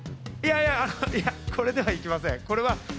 いやいや、これでは行きません。